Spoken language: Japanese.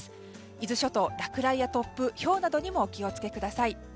伊豆諸島、落雷や突風ひょうなどにお気をつけください。